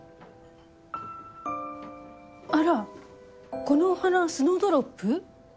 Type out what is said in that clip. あらこのお花スノードロップ？